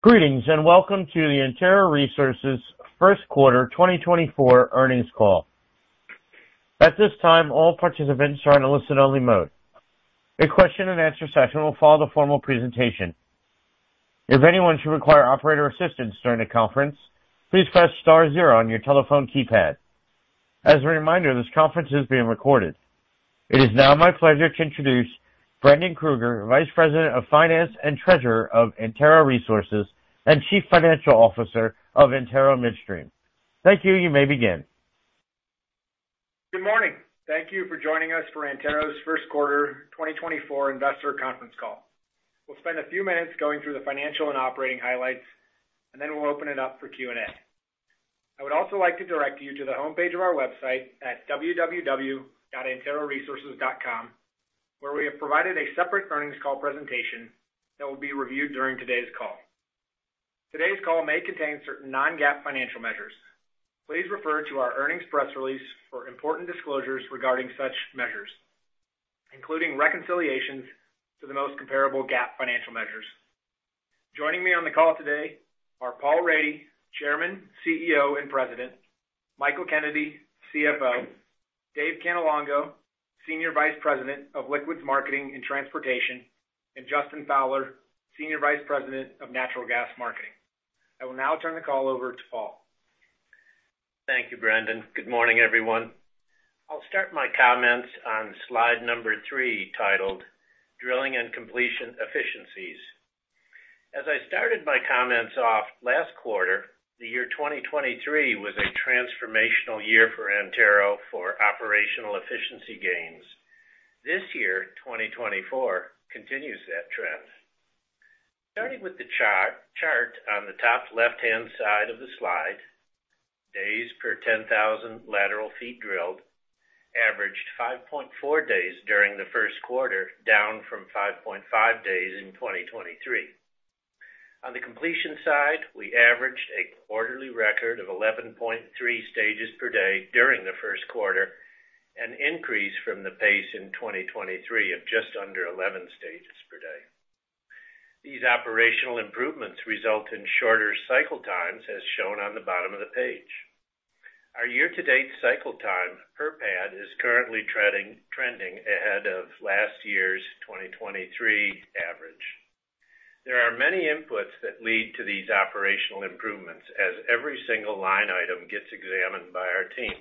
Greetings and welcome to the Antero Resources first quarter 2024 earnings call. At this time, all participants are in a listen-only mode. A question-and-answer session will follow the formal presentation. If anyone should require operator assistance during the conference, please press star zero on your telephone keypad. As a reminder, this conference is being recorded. It is now my pleasure to introduce Brendan Kruger, Vice President of Finance and Treasurer of Antero Resources and Chief Financial Officer of Antero Midstream. Thank you, you may begin. Good morning. Thank you for joining us for Antero's first quarter 2024 investor conference call. We'll spend a few minutes going through the financial and operating highlights, and then we'll open it up for Q&A. I would also like to direct you to the homepage of our website at www.anteroresources.com, where we have provided a separate earnings call presentation that will be reviewed during today's call. Today's call may contain certain non-GAAP financial measures. Please refer to our earnings press release for important disclosures regarding such measures, including reconciliations to the most comparable GAAP financial measures. Joining me on the call today are Paul Rady, Chairman, CEO, and President; Michael Kennedy, CFO; Dave Cannelongo, Senior Vice President of Liquids Marketing and Transportation; and Justin Fowler, Senior Vice President of Natural Gas Marketing. I will now turn the call over to Paul. Thank you, Brendan. Good morning, everyone. I'll start my comments on slide number three titled "Drilling and Completion Efficiencies." As I started my comments off, last quarter, the year 2023, was a transformational year for Antero for operational efficiency gains. This year, 2024, continues that trend. Starting with the chart on the top left-hand side of the slide, days per 10,000 lateral feet drilled averaged 5.4 days during the first quarter, down from 5.5 days in 2023. On the completion side, we averaged a quarterly record of 11.3 stages per day during the first quarter, an increase from the pace in 2023 of just under 11 stages per day. These operational improvements result in shorter cycle times, as shown on the bottom of the page. Our year-to-date cycle time per pad is currently trending ahead of last year's 2023 average. There are many inputs that lead to these operational improvements as every single line item gets examined by our team.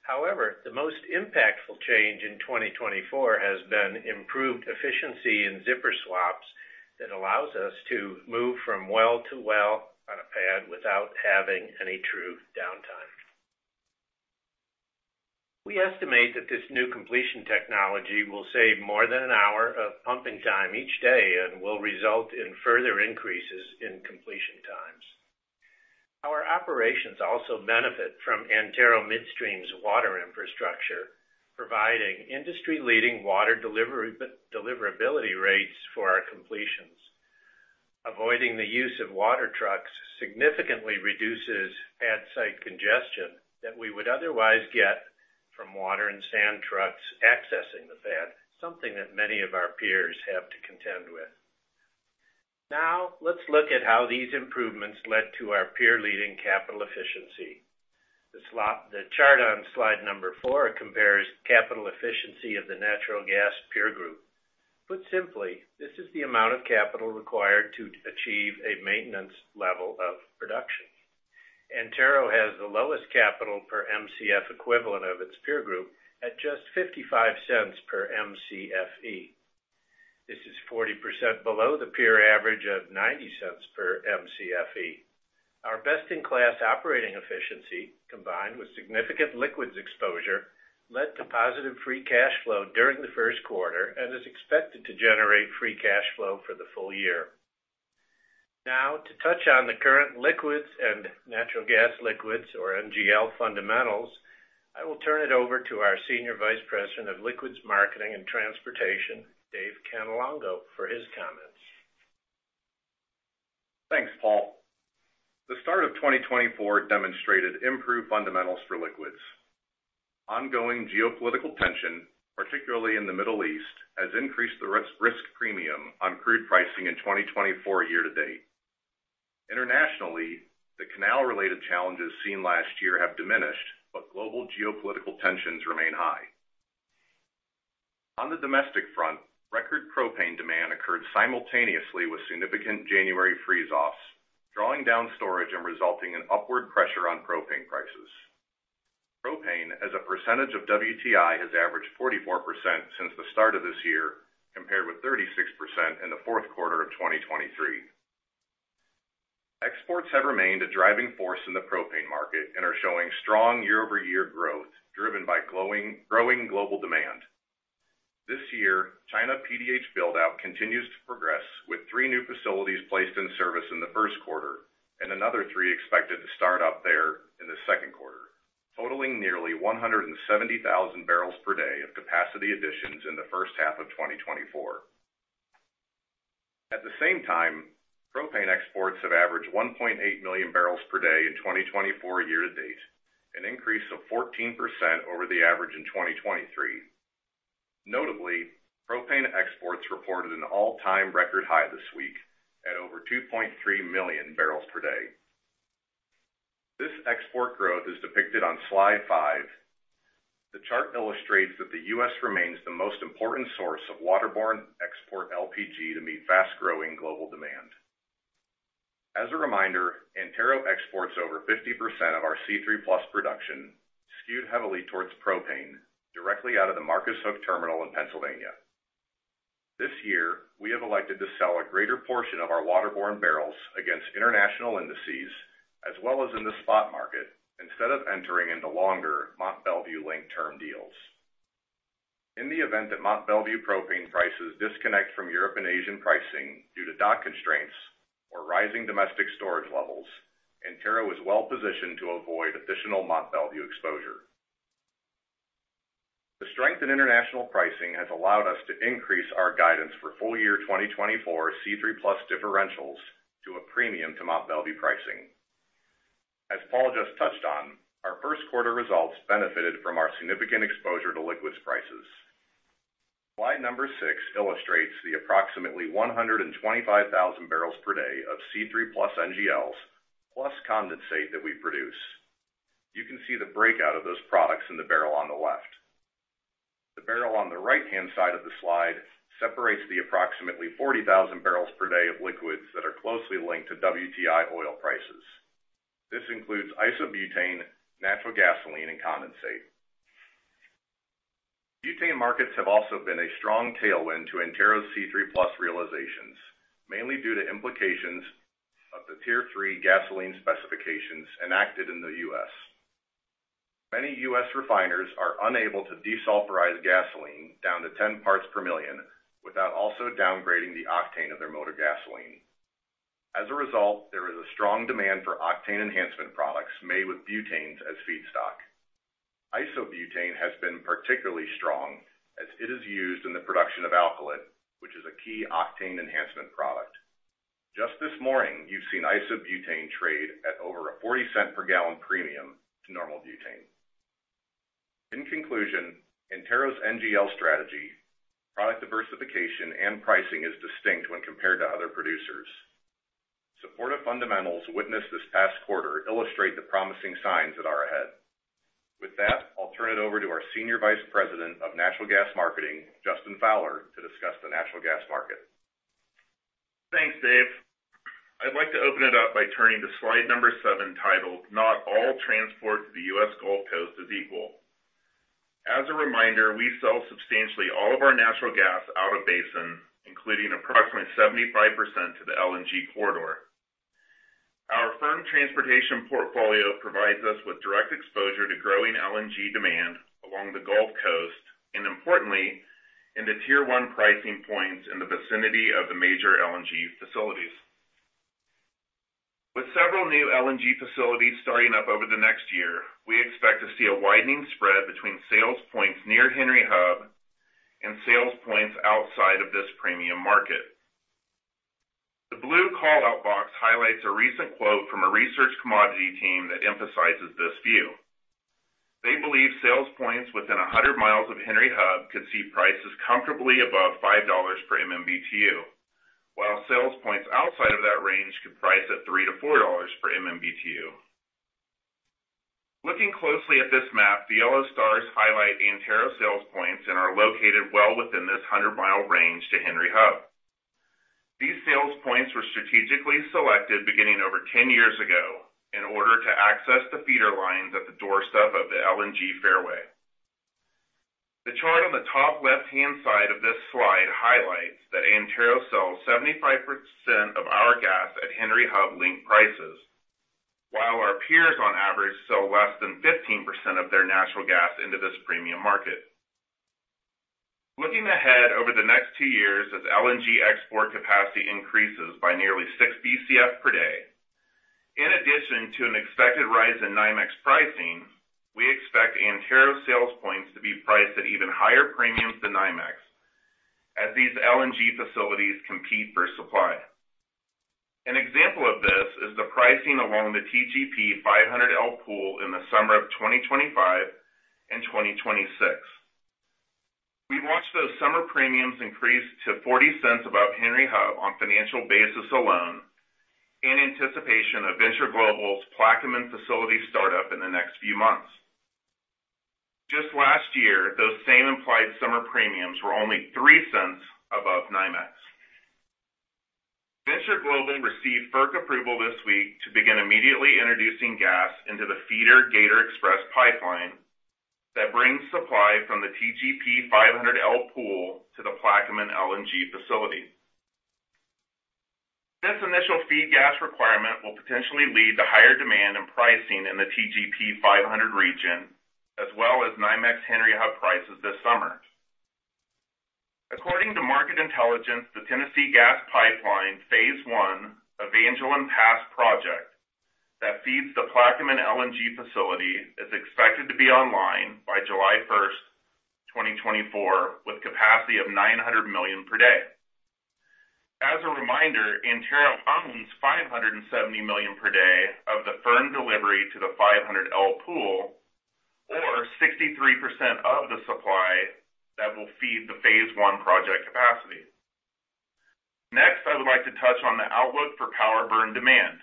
However, the most impactful change in 2024 has been improved efficiency in zipper swaps that allows us to move from well to well on a pad without having any true downtime. We estimate that this new completion technology will save more than an hour of pumping time each day and will result in further increases in completion times. Our operations also benefit from Antero Midstream's water infrastructure, providing industry-leading water deliverability rates for our completions. Avoiding the use of water trucks significantly reduces pad-site congestion that we would otherwise get from water and sand trucks accessing the pad, something that many of our peers have to contend with. Now, let's look at how these improvements led to our peer-leading capital efficiency. The chart on slide 4 compares capital efficiency of the natural gas peer group. Put simply, this is the amount of capital required to achieve a maintenance level of production. Antero has the lowest capital per Mcfe of its peer group at just $0.55 per Mcfe. This is 40% below the peer average of $0.90 per Mcfe. Our best-in-class operating efficiency, combined with significant liquids exposure, led to positive free cash flow during the first quarter and is expected to generate free cash flow for the full year. Now, to touch on the current liquids and natural gas liquids, or NGL, fundamentals, I will turn it over to our Senior Vice President of Liquids Marketing and Transportation, Dave Cannelongo, for his comments. Thanks, Paul. The start of 2024 demonstrated improved fundamentals for liquids. Ongoing geopolitical tension, particularly in the Middle East, has increased the risk premium on crude pricing in 2024 year-to-date. Internationally, the canal-related challenges seen last year have diminished, but global geopolitical tensions remain high. On the domestic front, record propane demand occurred simultaneously with significant January freeze-offs, drawing down storage and resulting in upward pressure on propane prices. Propane, as a percentage of WTI, has averaged 44% since the start of this year, compared with 36% in the fourth quarter of 2023. Exports have remained a driving force in the propane market and are showing strong year-over-year growth driven by growing global demand. This year, China PDH buildout continues to progress with three new facilities placed in service in the first quarter and another three expected to start up there in the second quarter, totaling nearly 170,000 barrels per day of capacity additions in the first half of 2024. At the same time, propane exports have averaged 1.8 million barrels per day in 2024 year-to-date, an increase of 14% over the average in 2023. Notably, propane exports reported an all-time record high this week at over 2.3 million barrels per day. This export growth is depicted on slide five. The chart illustrates that the U.S. remains the most important source of waterborne export LPG to meet fast-growing global demand. As a reminder, Antero exports over 50% of our C3+ production, skewed heavily towards propane, directly out of the Marcus Hook terminal in Pennsylvania. This year, we have elected to sell a greater portion of our waterborne barrels against international indices, as well as in the spot market, instead of entering into longer Mont Belvieu-linked term deals. In the event that Mont Belvieu propane prices disconnect from Europe and Asian pricing due to dock constraints or rising domestic storage levels, Antero is well-positioned to avoid additional Mont Belvieu exposure. The strength in international pricing has allowed us to increase our guidance for full-year 2024 C3+ differentials to a premium to Mont Belvieu pricing. As Paul just touched on, our first quarter results benefited from our significant exposure to liquids prices. Slide number six illustrates the approximately 125,000 barrels per day of C3+ NGLs, plus condensate that we produce. You can see the breakout of those products in the barrel on the left. The barrel on the right-hand side of the slide separates the approximately 40,000 barrels per day of liquids that are closely linked to WTI oil prices. This includes isobutane, natural gasoline, and condensate. Butane markets have also been a strong tailwind to Antero's C3+ realizations, mainly due to implications of the Tier 3 gasoline specifications enacted in the U.S. Many U.S. refiners are unable to desulfurize gasoline down to 10 parts per million without also downgrading the octane of their motor gasoline. As a result, there is a strong demand for octane enhancement products made with butanes as feedstock. Isobutane has been particularly strong as it is used in the production of alkylate, which is a key octane enhancement product. Just this morning, you've seen isobutane trade at over a $0.40-per-gallon premium to normal butane. In conclusion, Antero's NGL strategy, product diversification, and pricing are distinct when compared to other producers. Supportive fundamentals witnessed this past quarter illustrate the promising signs that are ahead. With that, I'll turn it over to our Senior Vice President of Natural Gas Marketing, Justin Fowler, to discuss the natural gas market. Thanks, Dave. I'd like to open it up by turning to slide number seven titled "Not All Transport to the U.S. Gulf Coast is Equal." As a reminder, we sell substantially all of our natural gas out of basin, including approximately 75% to the LNG corridor. Our firm transportation portfolio provides us with direct exposure to growing LNG demand along the Gulf Coast and, importantly, into tier one pricing points in the vicinity of the major LNG facilities. With several new LNG facilities starting up over the next year, we expect to see a widening spread between sales points near Henry Hub and sales points outside of this premium market. The blue callout box highlights a recent quote from a research commodity team that emphasizes this view. They believe sales points within 100 mi of Henry Hub could see prices comfortably above $5 per MMBTU, while sales points outside of that range could price at $3-$4 per MMBTU. Looking closely at this map, the yellow stars highlight Antero sales points and are located well within this 100-mile range to Henry Hub. These sales points were strategically selected beginning over 10 years ago in order to access the feeder lines at the doorstep of the LNG fairway. The chart on the top left-hand side of this slide highlights that Antero sells 75% of our gas at Henry Hub-linked prices, while our peers on average sell less than 15% of their natural gas into this premium market. Looking ahead over the next two years as LNG export capacity increases by nearly 6 BCF per day, in addition to an expected rise in NYMEX pricing, we expect Antero sales points to be priced at even higher premiums than NYMEX as these LNG facilities compete for supply. An example of this is the pricing along the TGP 500L pool in the summer of 2025 and 2026. We've watched those summer premiums increase to $0.40 above Henry Hub on financial basis alone in anticipation of Venture Global's Plaquemines facility startup in the next few months. Just last year, those same implied summer premiums were only $0.03 above NYMEX. Venture Global received FERC approval this week to begin immediately introducing gas into the feeder Gator Express pipeline that brings supply from the TGP 500L pool to the Plaquemines LNG facility. This initial feed gas requirement will potentially lead to higher demand and pricing in the TGP 500 region, as well as NYMEX Henry Hub prices this summer. According to market intelligence, the Tennessee Gas Pipeline Phase I Evangeline Pass project that feeds the Plaquemines LNG facility is expected to be online by July 1st, 2024, with capacity of 900 million per day. As a reminder, Antero owns 570 million per day of the firm delivery to the 500L pool, or 63% of the supply that will feed the phase I project capacity. Next, I would like to touch on the outlook for power burn demand.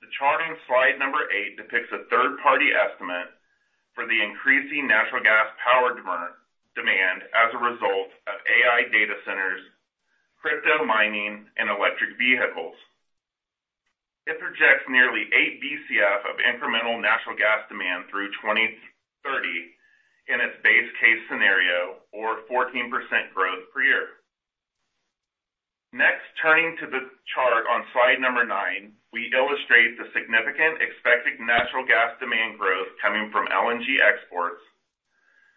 The chart on slide number eight depicts a third-party estimate for the increasing natural gas power demand as a result of AI data centers, crypto mining, and electric vehicles. It projects nearly 8 BCF of incremental natural gas demand through 2030 in its base case scenario, or 14% growth per year. Next, turning to the chart on slide number nine, we illustrate the significant expected natural gas demand growth coming from LNG exports,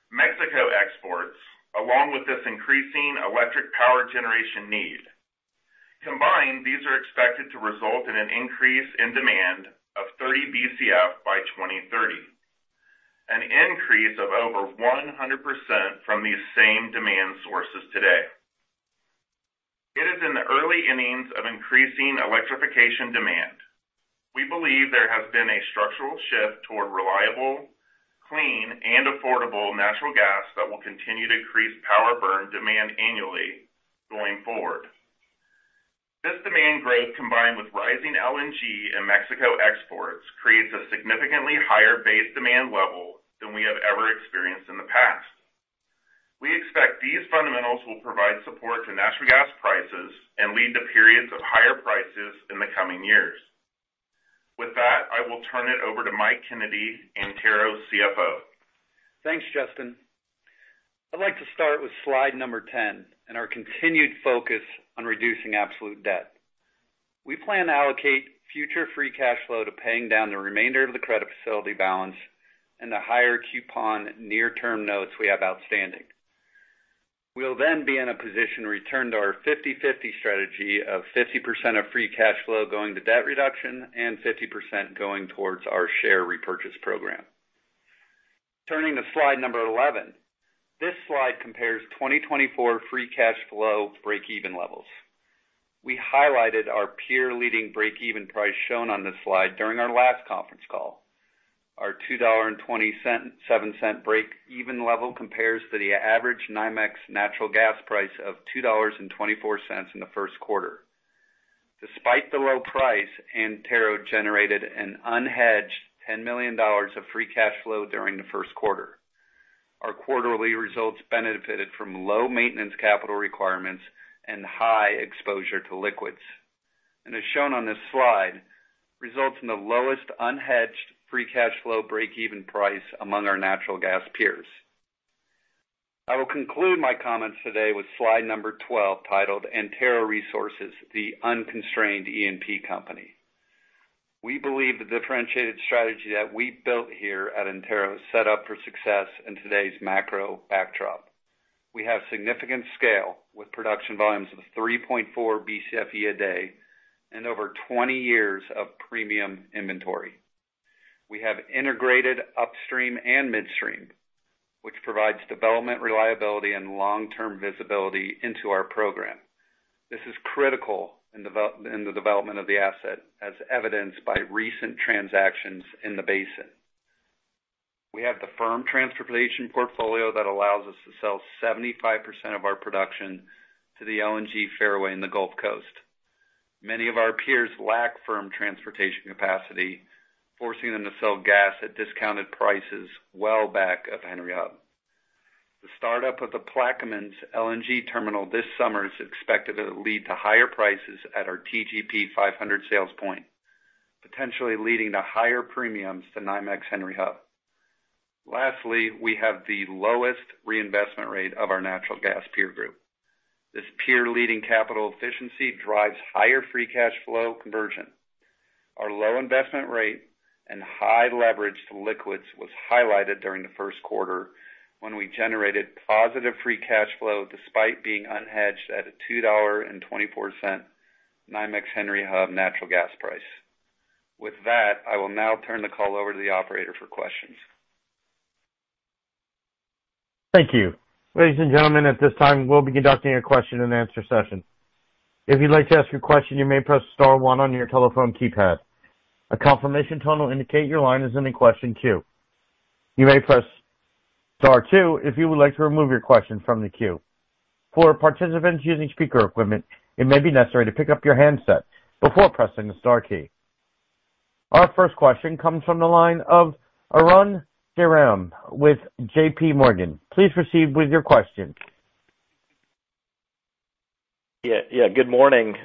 Mexico exports, along with this increasing electric power generation need. Combined, these are expected to result in an increase in demand of 30 BCF by 2030, an increase of over 100% from these same demand sources today. It is in the early innings of increasing electrification demand. We believe there has been a structural shift toward reliable, clean, and affordable natural gas that will continue to increase power burn demand annually going forward. This demand growth, combined with rising LNG and Mexico exports, creates a significantly higher base demand level than we have ever experienced in the past. We expect these fundamentals will provide support to natural gas prices and lead to periods of higher prices in the coming years. With that, I will turn it over to Mike Kennedy, Antero's CFO. Thanks, Justin. I'd like to start with slide number 10 and our continued focus on reducing absolute debt. We plan to allocate future free cash flow to paying down the remainder of the credit facility balance and the higher coupon near-term notes we have outstanding. We'll then be in a position to return to our 50/50 strategy of 50% of free cash flow going to debt reduction and 50% going towards our share repurchase program. Turning to slide number 11, this slide compares 2024 free cash flow break-even levels. We highlighted our peer-leading break-even price shown on this slide during our last conference call. Our $2.27 break-even level compares to the average NYMEX natural gas price of $2.24 in the first quarter. Despite the low price, Antero generated an unhedged $10 million of free cash flow during the first quarter. Our quarterly results benefited from low maintenance capital requirements and high exposure to liquids. As shown on this slide, results in the lowest unhedged free cash flow break-even price among our natural gas peers. I will conclude my comments today with slide number 12 titled "Antero Resources: The Unconstrained E&P Company." We believe the differentiated strategy that we built here at Antero is set up for success in today's macro backdrop. We have significant scale with production volumes of 3.4 BCFE a day and over 20 years of premium inventory. We have integrated upstream and midstream, which provides development reliability and long-term visibility into our program. This is critical in the development of the asset, as evidenced by recent transactions in the basin. We have the firm transportation portfolio that allows us to sell 75% of our production to the LNG fairway in the Gulf Coast. Many of our peers lack firm transportation capacity, forcing them to sell gas at discounted prices well back of Henry Hub. The startup of the Plaquemines LNG terminal this summer is expected to lead to higher prices at our TGP 500 sales point, potentially leading to higher premiums to NYMEX Henry Hub. Lastly, we have the lowest reinvestment rate of our natural gas peer group. This peer-leading capital efficiency drives higher free cash flow conversion. Our low investment rate and high leverage to liquids was highlighted during the first quarter when we generated positive free cash flow despite being unhedged at a $2.24 NYMEX Henry Hub natural gas price. With that, I will now turn the call over to the operator for questions. Thank you. Ladies and gentlemen, at this time, we'll begin conducting a question-and-answer session. If you'd like to ask your question, you may press star one on your telephone keypad. A confirmation tone will indicate your line is in the question queue. You may press star two if you would like to remove your question from the queue. For participants using speaker equipment, it may be necessary to pick up your handset before pressing the star key. Our first question comes from the line of Arun Jayaram with J.P. Morgan. Please proceed with your question. Yeah, good morning.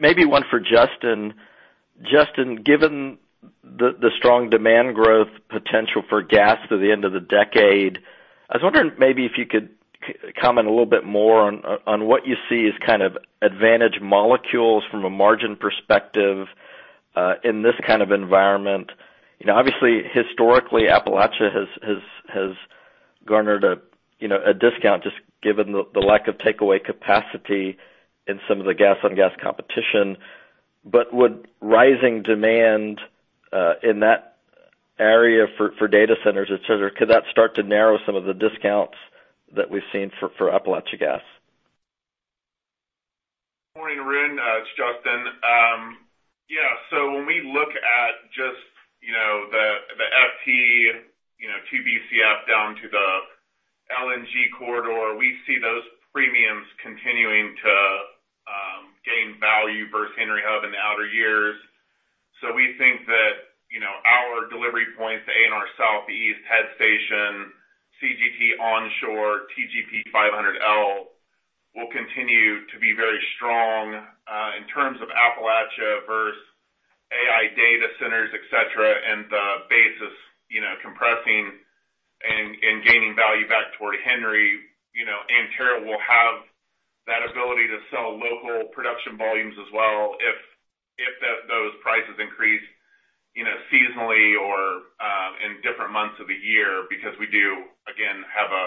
Maybe one for Justin. Justin, given the strong demand growth potential for gas through the end of the decade, I was wondering maybe if you could comment a little bit more on what you see as kind of advantage molecules from a margin perspective in this kind of environment. Obviously, historically, Appalachia has garnered a discount just given the lack of takeaway capacity in some of the gas-on-gas competition. But would rising demand in that area for data centers, etc., could that start to narrow some of the discounts that we've seen for Appalachia gas? Morning, Arun. It's Justin. Yeah, so when we look at just the FT, 2 BCF down to the LNG corridor, we see those premiums continuing to gain value versus Henry Hub in the outer years. So we think that our delivery points to ANR Southeast Head Station, CGT Onshore, TGP 500L will continue to be very strong in terms of Appalachia versus AI data centers, etc., and the basis compressing and gaining value back toward Henry. Antero will have that ability to sell local production volumes as well if those prices increase seasonally or in different months of the year because we do, again, have a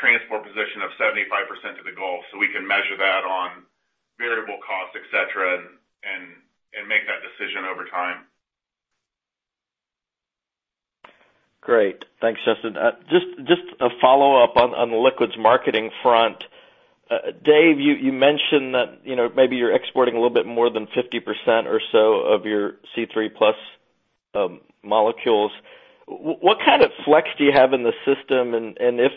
transport position of 75% to the Gulf. So we can measure that on variable costs, etc., and make that decision over time. Great. Thanks, Justin. Just a follow-up on the liquids marketing front. Dave, you mentioned that maybe you're exporting a little bit more than 50% or so of your C3+ molecules. What kind of flex do you have in the system? And if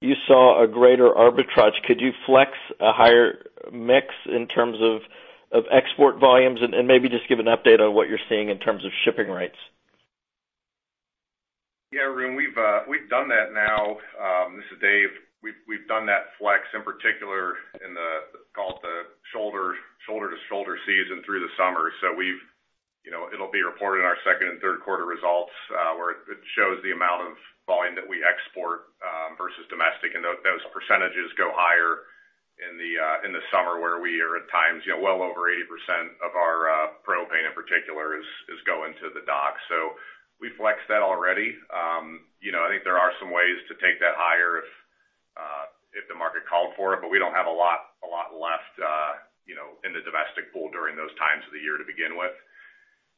you saw a greater arbitrage, could you flex a higher mix in terms of export volumes? And maybe just give an update on what you're seeing in terms of shipping rates. Yeah, Arun, we've done that now. This is Dave. We've done that flex, in particular, in what we call the shoulder season through the summer. So it'll be reported in our second and third quarter results where it shows the amount of volume that we export versus domestic. And those percentages go higher in the summer where we are at times well over 80% of our propane, in particular, is going to the docks. So we flex that already. I think there are some ways to take that higher if the market called for it, but we don't have a lot left in the domestic pool during those times of the year to begin with.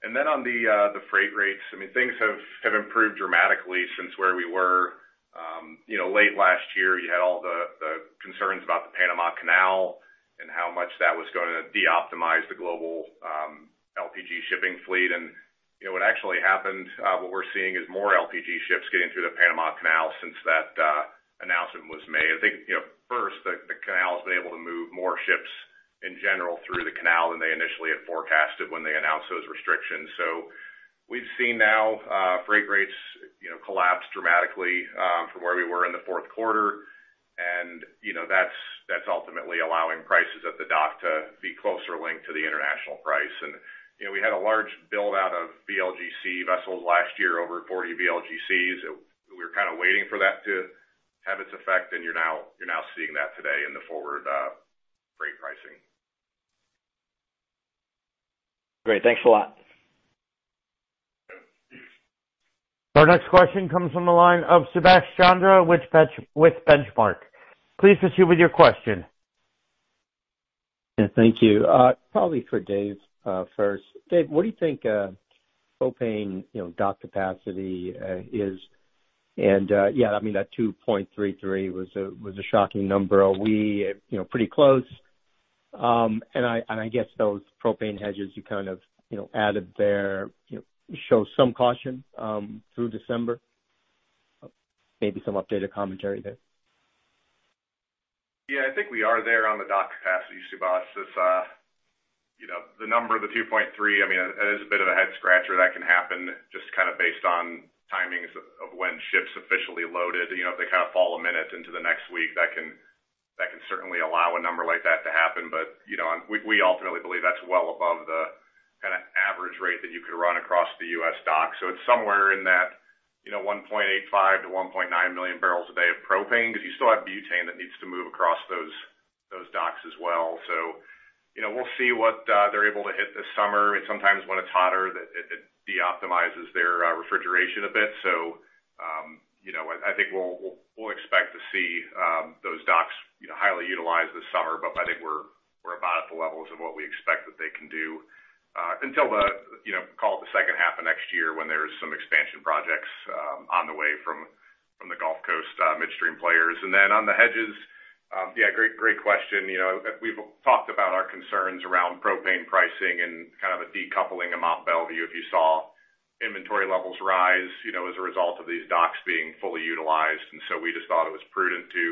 And then on the freight rates, I mean, things have improved dramatically since where we were. Late last year, you had all the concerns about the Panama Canal and how much that was going to deoptimize the global LPG shipping fleet. What actually happened, what we're seeing is more LPG ships getting through the Panama Canal since that announcement was made. I think first, the canal has been able to move more ships in general through the canal than they initially had forecasted when they announced those restrictions. So we've seen now freight rates collapse dramatically from where we were in the fourth quarter. That's ultimately allowing prices at the dock to be closer linked to the international price. We had a large buildout of VLGC vessels last year, over 40 VLGCs. We were kind of waiting for that to have its effect, and you're now seeing that today in the forward freight pricing. Great. Thanks a lot. Our next question comes from the line of Subash Chandra, with Benchmark. Please proceed with your question. Yeah, thank you. Probably for Dave first. Dave, what do you think propane dock capacity is? And yeah, I mean, that 2.33 was a shocking number. Are we pretty close? And I guess those propane hedges you kind of added there show some caution through December. Maybe some updated commentary there. Yeah, I think we are there on the dock capacity, Sebastian. The number, the 2.3, I mean, it is a bit of a head-scratcher. That can happen just kind of based on timings of when ships officially loaded. If they kind of fall a minute into the next week, that can certainly allow a number like that to happen. But we ultimately believe that's well above the kind of average rate that you could run across the U.S. docks. So it's somewhere in that 1.85-1.9 million barrels a day of propane because you still have butane that needs to move across those docks as well. So we'll see what they're able to hit this summer. And sometimes when it's hotter, it deoptimizes their refrigeration a bit. So I think we'll expect to see those docks highly utilized this summer. But I think we're about at the levels of what we expect that they can do until the, call it, the second half of next year when there's some expansion projects on the way from the Gulf Coast midstream players. And then on the hedges, yeah, great question. We've talked about our concerns around propane pricing and kind of a decoupling in Mont Belvieu. If you saw inventory levels rise as a result of these docks being fully utilized. And so we just thought it was prudent to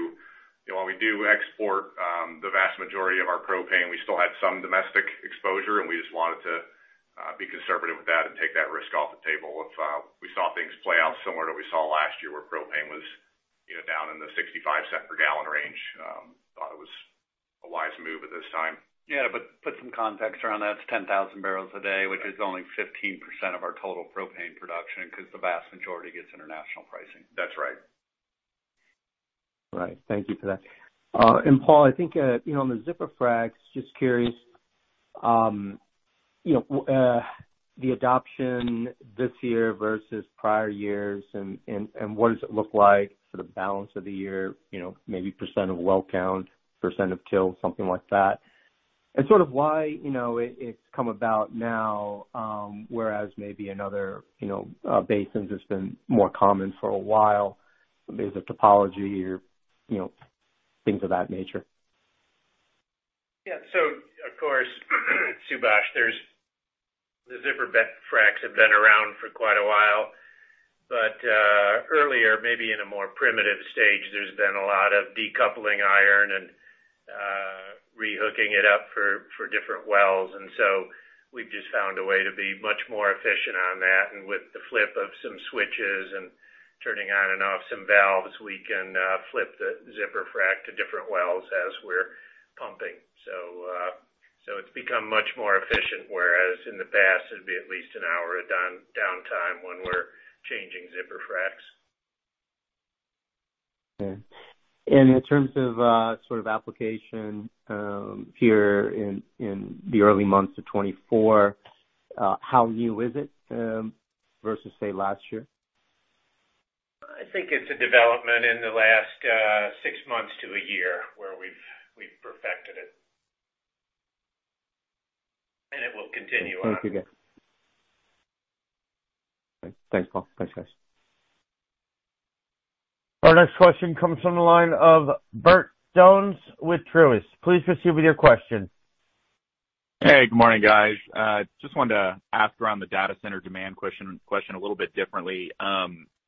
while we do export the vast majority of our propane, we still had some domestic exposure, and we just wanted to be conservative with that and take that risk off the table. If we saw things play out similar to what we saw last year where propane was down in the $0.65-per-gallon range, thought it was a wise move at this time. Yeah, but put some context around that. It's 10,000 barrels a day, which is only 15% of our total propane production because the vast majority gets international pricing. That's right. Right. Thank you for that. And Paul, I think on the zipper fracs, just curious, the adoption this year versus prior years, and what does it look like for the balance of the year, maybe % of well count, % of till, something like that? And sort of why it's come about now whereas maybe in other basins it's been more common for a while? Maybe there's a topography or things of that nature. Yeah, so of course, Subash, the zipper fracs have been around for quite a while. But earlier, maybe in a more primitive stage, there's been a lot of decoupling iron and rehooking it up for different wells. And so we've just found a way to be much more efficient on that. And with the flip of some switches and turning on and off some valves, we can flip the zipper frac to different wells as we're pumping. So it's become much more efficient, whereas in the past, it'd be at least an hour of downtime when we're changing zipper fracs. Okay. And in terms of sort of application here in the early months of 2024, how new is it versus, say, last year? I think it's a development in the last 6 months to 1 year where we've perfected it. It will continue on. Thank you, guys. Thanks, Paul. Thanks, guys. Our next question comes from the line of Bert Donnes with Truist. Please proceed with your question. Hey, good morning, guys. Just wanted to ask around the data center demand question a little bit differently.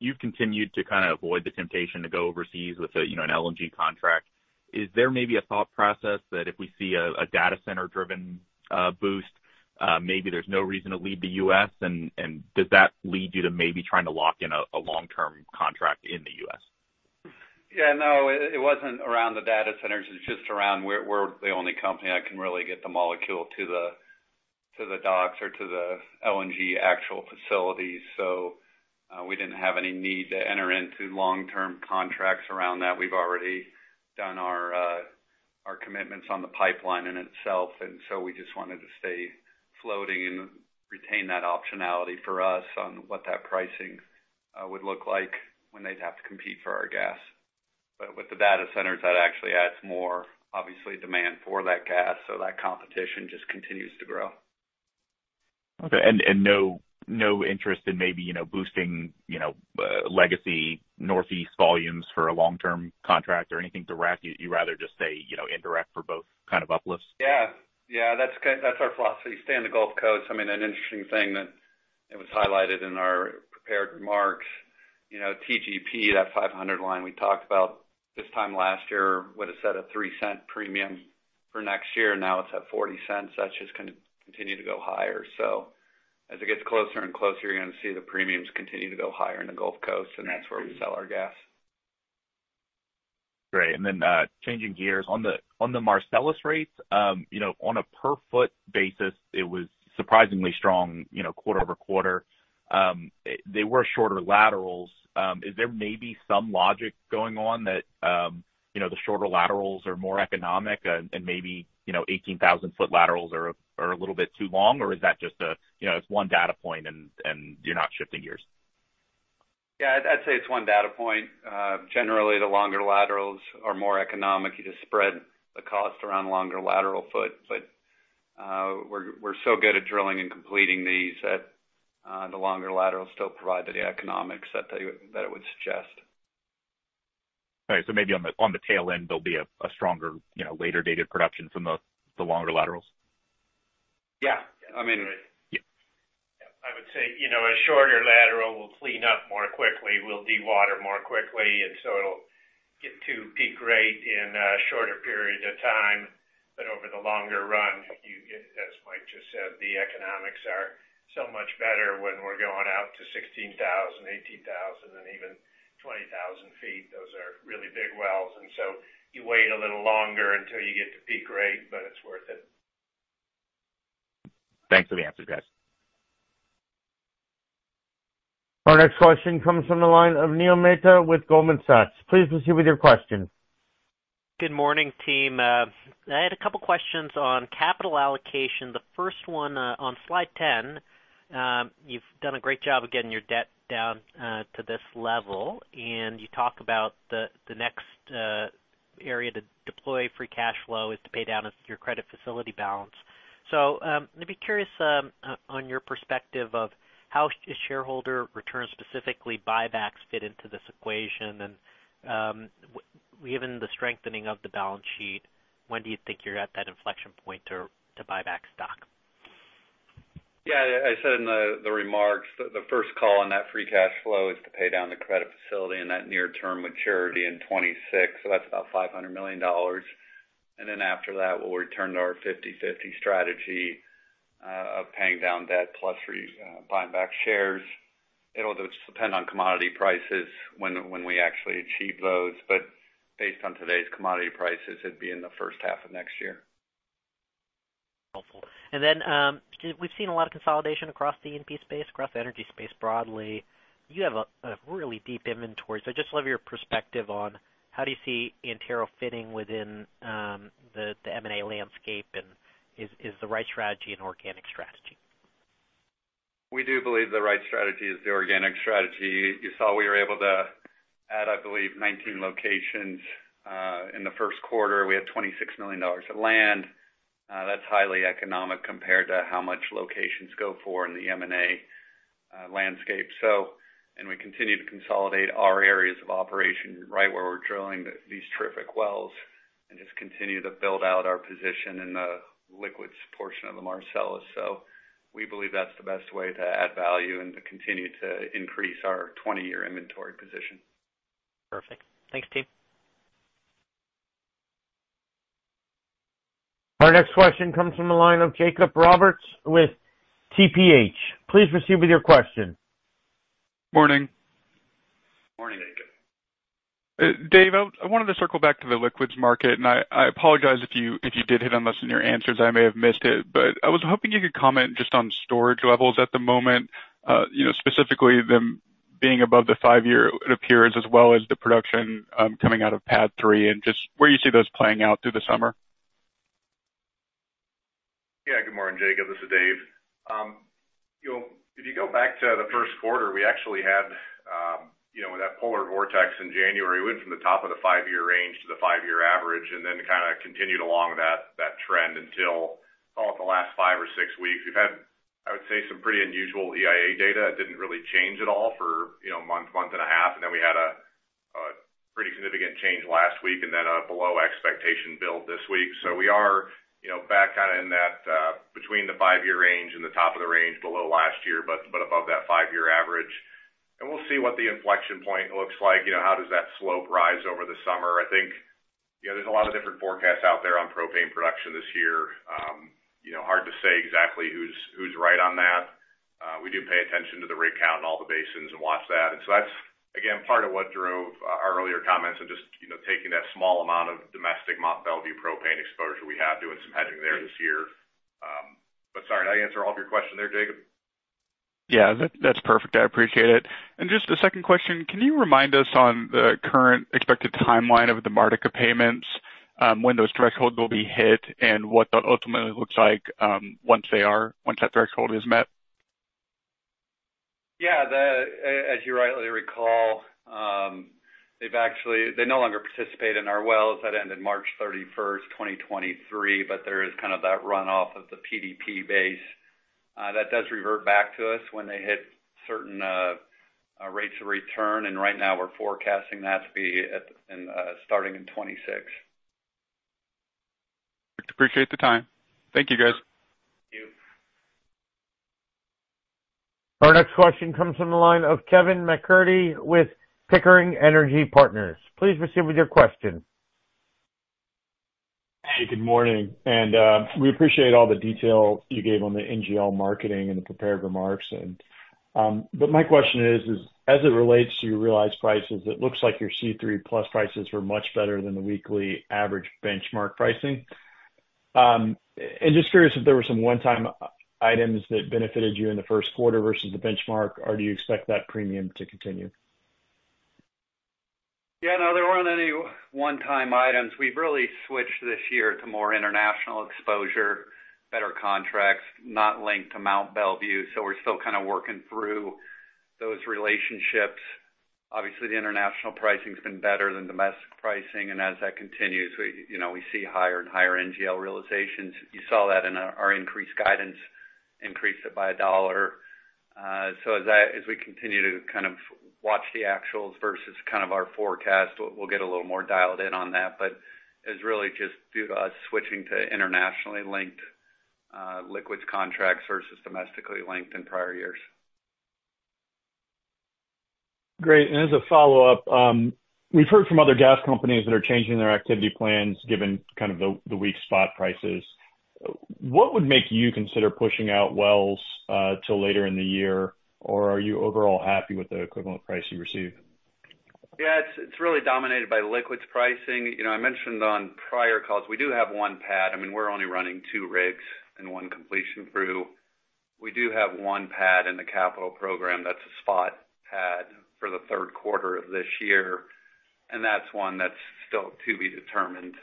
You've continued to kind of avoid the temptation to go overseas with an LNG contract. Is there maybe a thought process that if we see a data center-driven boost, maybe there's no reason to leave the U.S.? And does that lead you to maybe trying to lock in a long-term contract in the U.S.? Yeah, no, it wasn't around the data centers. It's just around we're the only company that can really get the molecule to the docks or to the LNG actual facilities. So we didn't have any need to enter into long-term contracts around that. We've already done our commitments on the pipeline in itself. And so we just wanted to stay floating and retain that optionality for us on what that pricing would look like when they'd have to compete for our gas. But with the data centers, that actually adds more, obviously, demand for that gas. So that competition just continues to grow. Okay. And no interest in maybe boosting legacy northeast volumes for a long-term contract or anything direct? You'd rather just say indirect for both kind of uplifts? Yeah. Yeah, that's our philosophy. Stay in the Gulf Coast. I mean, an interesting thing that was highlighted in our prepared remarks, TGP, that 500 line we talked about this time last year would have set a $0.03 premium for next year. Now it's at $0.40. That's just going to continue to go higher. So as it gets closer and closer, you're going to see the premiums continue to go higher in the Gulf Coast, and that's where we sell our gas. Great. And then changing gears, on the Marcellus rates, on a per-foot basis, it was surprisingly strong quarter-over-quarter. They were shorter laterals. Is there maybe some logic going on that the shorter laterals are more economic and maybe 18,000-ft laterals are a little bit too long? Or is that just it's one data point, and you're not shifting gears? Yeah, I'd say it's one data point. Generally, the longer laterals are more economic. You just spread the cost around a longer lateral foot. But we're so good at drilling and completing these that the longer laterals still provide the economics that it would suggest. Okay. So maybe on the tail end, there'll be a stronger later-dated production from the longer laterals? Yeah. I mean. Great. Yeah. I would say a shorter lateral will clean up more quickly. We'll dewater more quickly. And so it'll get to peak rate in a shorter period of time. But over the longer run, as Mike just said, the economics are so much better when we're going out to 16,000, 18,000, and even 20,000 feet. Those are really big wells. And so you wait a little longer until you get to peak rate, but it's worth it. Thanks for the answers, guys. Our next question comes from the line of Neil Mehta with Goldman Sachs. Please proceed with your question. Good morning, team. I had a couple of questions on capital allocation. The first one on slide 10, you've done a great job of getting your debt down to this level. You talk about the next area to deploy free cash flow is to pay down your credit facility balance. I'd be curious on your perspective of how shareholder returns, specifically buybacks, fit into this equation. Given the strengthening of the balance sheet, when do you think you're at that inflection point to buyback stock? Yeah, I said in the remarks, the first call on that free cash flow is to pay down the credit facility in that near-term maturity in 2026. So that's about $500 million. And then after that, we'll return to our 50/50 strategy of paying down debt plus buying back shares. It'll depend on commodity prices when we actually achieve those. But based on today's commodity prices, it'd be in the first half of next year. Helpful. Then we've seen a lot of consolidation across the E&P space, across the energy space broadly. You have a really deep inventory. I'd just love your perspective on how do you see Antero fitting within the M&A landscape? Is the right strategy an organic strategy? We do believe the right strategy is the organic strategy. You saw we were able to add, I believe, 19 locations in the first quarter. We had $26 million of land. That's highly economic compared to how much locations go for in the M&A landscape. And we continue to consolidate our areas of operation right where we're drilling these terrific wells and just continue to build out our position in the liquids portion of the Marcellus. So we believe that's the best way to add value and to continue to increase our 20-year inventory position. Perfect. Thanks, team. Our next question comes from the line of Jacob Roberts with TPH. Please proceed with your question. Morning. Morning, Jacob. Dave, I wanted to circle back to the liquids market. I apologize if you did hit on this in your answers. I may have missed it. I was hoping you could comment just on storage levels at the moment, specifically them being above the five-year, it appears, as well as the production coming out of PADD 3 and just where you see those playing out through the summer. Yeah, good morning, Jacob. This is Dave. If you go back to the first quarter, we actually had with that polar vortex in January, we went from the top of the 5-year range to the 5-year average and then kind of continued along that trend until, call it, the last five or six weeks. We've had, I would say, some pretty unusual EIA data. It didn't really change at all for month, month and a half. And then we had a pretty significant change last week and then a below-expectation build this week. So we are back kind of in that between the 5-year range and the top of the range below last year but above that 5-year average. And we'll see what the inflection point looks like. How does that slope rise over the summer? I think there's a lot of different forecasts out there on propane production this year. Hard to say exactly who's right on that. We do pay attention to the rate count in all the basins and watch that. And so that's, again, part of what drove our earlier comments and just taking that small amount of domestic Mont Belvieu propane exposure we had, doing some hedging there this year. But sorry, did I answer all of your question there, Jacob? Yeah, that's perfect. I appreciate it. Just the second question, can you remind us on the current expected timeline of the Martica payments, when those thresholds will be hit, and what that ultimately looks like once that threshold is met? Yeah, as you rightly recall, they no longer participate in our wells. That ended March 31st, 2023. But there is kind of that runoff of the PDP base. That does revert back to us when they hit certain rates of return. And right now, we're forecasting that to be starting in 2026. Appreciate the time. Thank you, guys. Thank you. Our next question comes from the line of Kevin McCurdy with Pickering Energy Partners. Please proceed with your question. Hey, good morning. We appreciate all the detail you gave on the NGL marketing and the prepared remarks. My question is, as it relates to your realized prices, it looks like your C3+ prices were much better than the weekly average benchmark pricing. Just curious if there were some one-time items that benefited you in the first quarter versus the benchmark, or do you expect that premium to continue? Yeah, no, there weren't any one-time items. We've really switched this year to more international exposure, better contracts, not linked to Mont Belvieu. So we're still kind of working through those relationships. Obviously, the international pricing's been better than domestic pricing. And as that continues, we see higher and higher NGL realizations. You saw that in our increased guidance, increased it by $1. So as we continue to kind of watch the actuals versus kind of our forecast, we'll get a little more dialed in on that. But it's really just due to us switching to internationally linked liquids contracts versus domestically linked in prior years. Great. And as a follow-up, we've heard from other gas companies that are changing their activity plans given kind of the weak spot prices. What would make you consider pushing out wells till later in the year? Or are you overall happy with the equivalent price you receive? Yeah, it's really dominated by liquids pricing. I mentioned on prior calls, we do have one pad. I mean, we're only running two rigs and one completion crew. We do have one pad in the capital program. That's a spot pad for the third quarter of this year. And that's one that's still to be determined.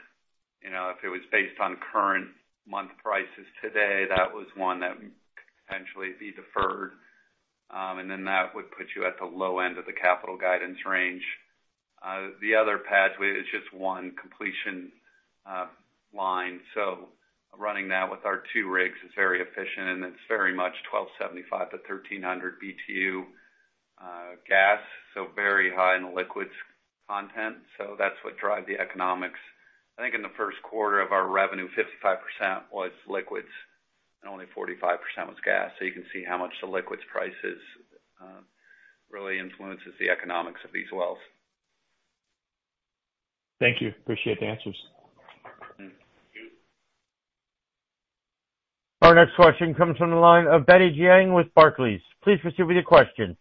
If it was based on current month prices today, that was one that could potentially be deferred. And then that would put you at the low end of the capital guidance range. The other pads, it's just one completion line. So running that with our two rigs is very efficient. And it's very much 1,275-1,300 BTU gas, so very high in the liquids content. So that's what drives the economics. I think in the first quarter of our revenue, 55% was liquids and only 45% was gas. You can see how much the liquids prices really influence the economics of these wells. Thank you. Appreciate the answers. Thank you. Our next question comes from the line of Betty Jiang with Barclays. Please proceed with your question.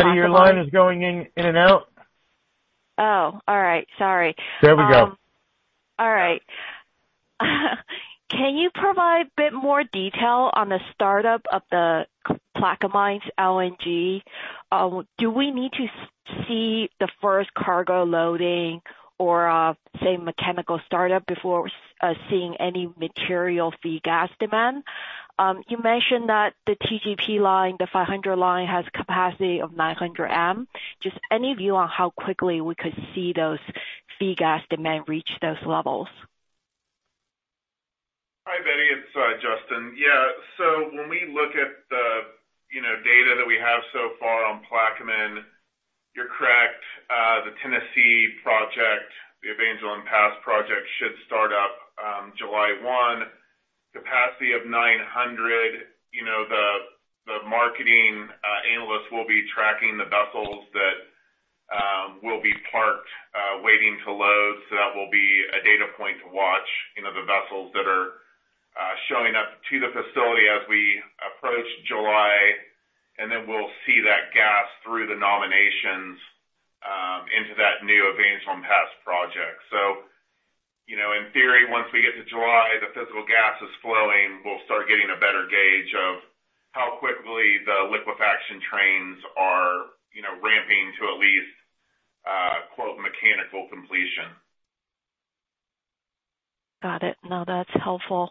Hi, Betty. Hi, good morning. I was wondering if you. Betty, your line is going in and out. Oh, all right. Sorry. There we go. All right. Can you provide a bit more detail on the startup of the Plaquemines LNG? Do we need to see the first cargo loading or, say, mechanical startup before seeing any material feed gas demand? You mentioned that the TGP line, the 500 line, has capacity of 900 MMcf. Just any view on how quickly we could see those feed gas demand reach those levels? Hi, Betty. It's Justin. Yeah, so when we look at the data that we have so far on Plaquemines, you're correct. The Tennessee project, the Evangeline Pass Project, should start up July 1, capacity of 900. The marketing analysts will be tracking the vessels that will be parked waiting to load. So that will be a data point to watch, the vessels that are showing up to the facility as we approach July. And then we'll see that gas through the nominations into that new Evangeline Pass Project. So in theory, once we get to July, the physical gas is flowing. We'll start getting a better gauge of how quickly the liquefaction trains are ramping to at least "mechanical completion. Got it. No, that's helpful.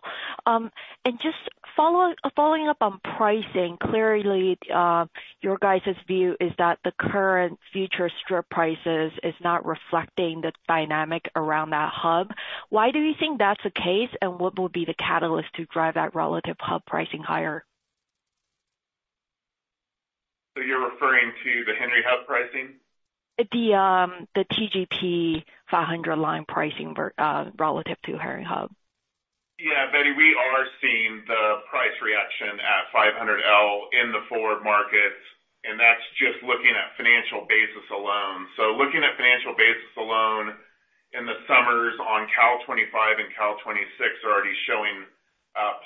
Just following up on pricing, clearly, your guys' view is that the current future strip prices is not reflecting the dynamic around that hub. Why do you think that's the case? And what will be the catalyst to drive that relative hub pricing higher? You're referring to the Henry Hub pricing? The TGP 500 line pricing relative to Henry Hub. Yeah, Betty, we are seeing the price reaction at 500L in the forward markets. And that's just looking at financial basis alone. So looking at financial basis alone, in the summers, on Cal 2025 and Cal 2026, they're already showing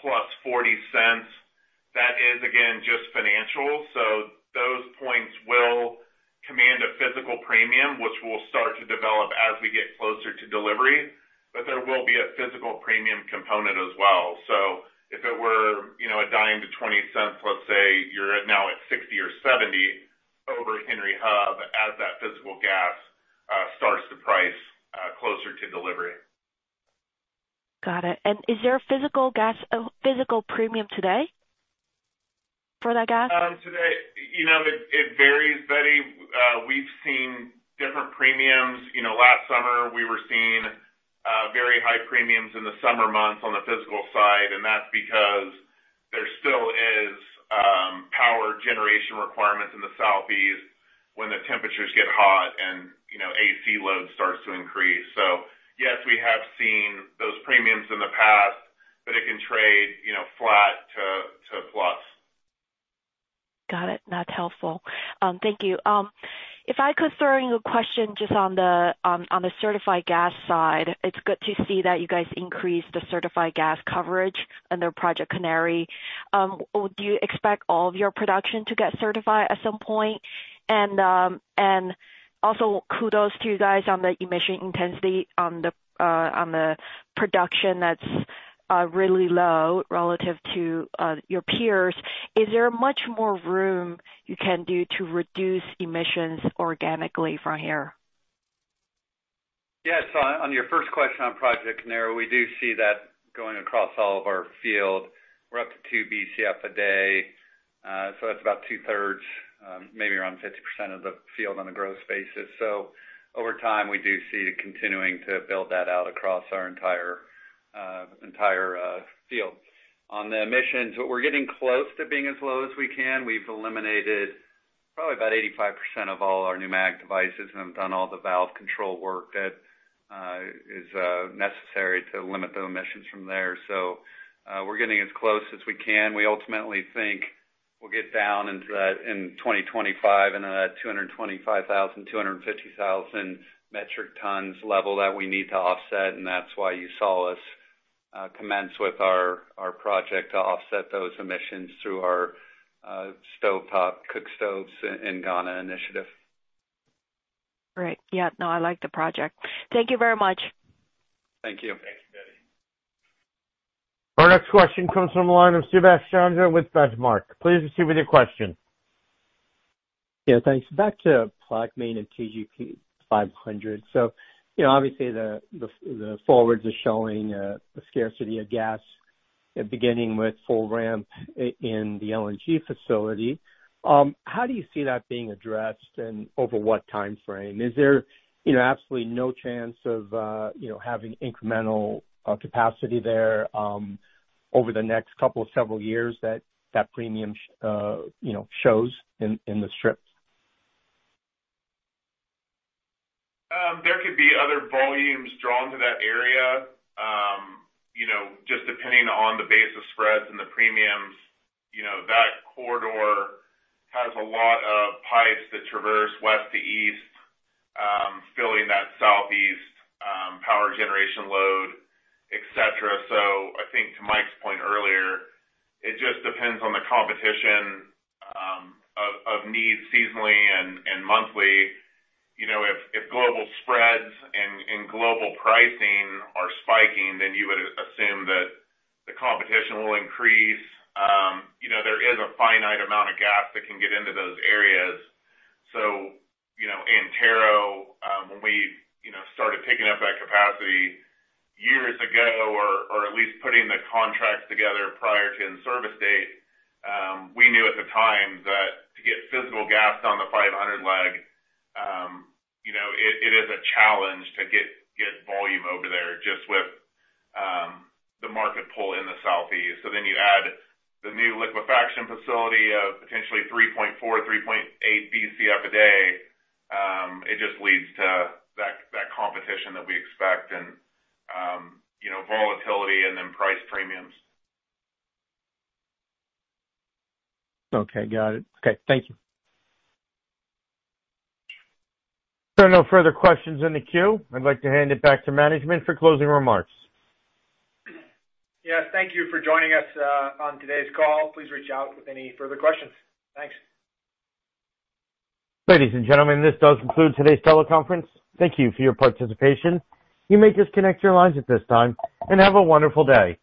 +$0.40. That is, again, just financial. So those points will command a physical premium, which will start to develop as we get closer to delivery. But there will be a physical premium component as well. So if it were a dime to 20 cents, let's say you're now at $0.60 or $0.70 over Henry Hub as that physical gas starts to price closer to delivery. Got it. And is there a physical gas premium today for that gas? Today, it varies, Betty. We've seen different premiums. Last summer, we were seeing very high premiums in the summer months on the physical side. And that's because there still is power generation requirements in the Southeast when the temperatures get hot and AC load starts to increase. So yes, we have seen those premiums in the past, but it can trade flat to plus. Got it. That's helpful. Thank you. If I could throw in a question just on the certified gas side, it's good to see that you guys increased the certified gas coverage under Project Canary. Do you expect all of your production to get certified at some point? And also, kudos to you guys on the emission intensity, on the production that's really low relative to your peers. Is there much more room you can do to reduce emissions organically from here? Yes. So on your first question on Project Canary, we do see that going across all of our field. We're up to 2 BCF a day. So that's about two-thirds, maybe around 50% of the field on a gross basis. So over time, we do see continuing to build that out across our entire field. On the emissions, we're getting close to being as low as we can. We've eliminated probably about 85% of all our pneumatic devices and have done all the valve control work that is necessary to limit the emissions from there. So we're getting as close as we can. We ultimately think we'll get down into that in 2025, into that 225,000-250,000 metric tons level that we need to offset. And that's why you saw us commence with our project to offset those emissions through our stovetop cookstoves and Ghana initiative. Great. Yeah, no, I like the project. Thank you very much. Thank you. Thank you, Betty. Our next question comes from the line of Subash Chandra with Benchmark. Please proceed with your question. Yeah, thanks. Back to Plaquemines and TGP 500. So obviously, the forwards are showing a scarcity of gas, beginning with full ramp in the LNG facility. How do you see that being addressed, and over what timeframe? Is there absolutely no chance of having incremental capacity there over the next couple of several years that that premium shows in the strips? There could be other volumes drawn to that area just depending on the basis spreads and the premiums. That corridor has a lot of pipes that traverse west to east, filling that Southeast power generation load, etc. So I think, to Mike's point earlier, it just depends on the competition of need seasonally and monthly. If global spreads and global pricing are spiking, then you would assume that the competition will increase. There is a finite amount of gas that can get into those areas. So Antero, when we started picking up that capacity years ago or at least putting the contracts together prior to in-service date, we knew at the time that to get physical gas down the 500 leg, it is a challenge to get volume over there just with the market pull in the Southeast. So then you add the new liquefaction facility of potentially 3.4-3.8 BCF a day. It just leads to that competition that we expect and volatility and then price premiums. Okay, got it. Okay, thank you. No further questions in the queue. I'd like to hand it back to management for closing remarks. Yeah, thank you for joining us on today's call. Please reach out with any further questions. Thanks. Ladies and gentlemen, this does conclude today's teleconference. Thank you for your participation. You may disconnect your lines at this time. Have a wonderful day.